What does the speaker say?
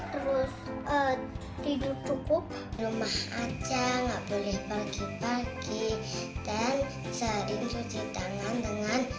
terus tidur cukup rumah aja nggak boleh pergi pergi dan sering cuci tangan dengan